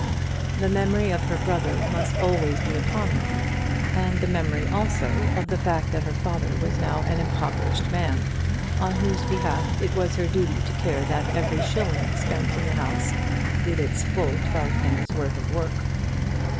The memory of her brother must always be upon her; and the memory also of the fact that her father was now an impoverished man, on whose behalf it was her duty to care that every shilling spent in the house did its full twelve pennies' worth of work.